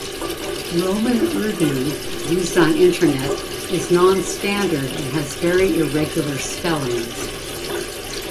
Roman Urdu used on Internet is non standard and has very irregular spellings.